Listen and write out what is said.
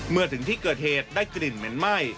เมื่อถึงที่เกิดเหตุได้กลิ่นเหม็นไหม้